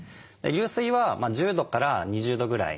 流水は１０度から２０度ぐらい。